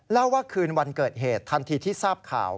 เล่าว่าคืนวันเกิดเหตุทันทีที่ทราบข่าว